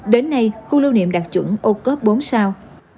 đến nay khu lưu niệm đạt chuẩn ô cớp bốn sao